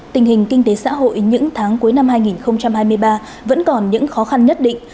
tình hình kinh tế xã hội những tháng cuối năm hai nghìn hai mươi ba vẫn còn những khó khăn nhất định